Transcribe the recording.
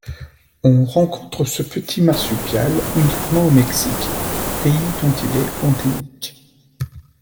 On rencontre ce petit marsupial uniquement au Mexique, pays dont il est endémique.